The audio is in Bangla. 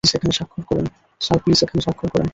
স্যার, প্লিজ এখানে স্বাক্ষর করুন।